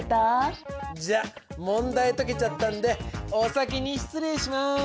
じゃ問題解けちゃったんでお先に失礼します。